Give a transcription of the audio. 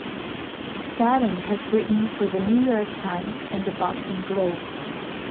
Seddon has written for the New York Times and the Boston Globe.